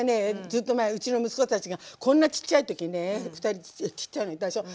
ずっと前うちの息子たちがこんなちっちゃい時２人ちっちゃいのいたでしょう。